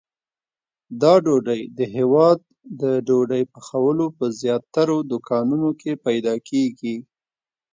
دا ډوډۍ د هیواد د ډوډۍ پخولو په زیاترو دوکانونو کې پیدا کېږي.